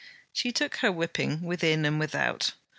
She took her whipping within and without.